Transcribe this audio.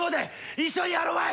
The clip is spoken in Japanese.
一緒にやろまい！